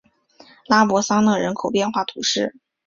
拉博桑讷人口变化图示